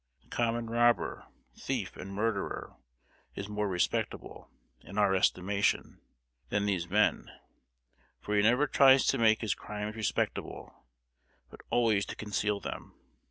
The common robber, thief, and murderer, is more respectable, in our estimation, than these men; for he never tries to make his crimes respectable, but always to conceal them.